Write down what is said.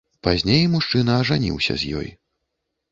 Пазней мужчына ажаніўся з ёй.